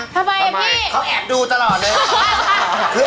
เขาแอบดูตลอดเลย